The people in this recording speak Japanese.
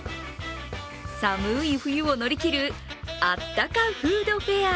寒い冬を乗り切るあったかフードフェア。